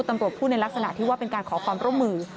พูดในลักษณะที่ว่าเป็นการขอความร่วมมือ